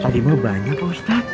tadi lebih banyak pak ustadz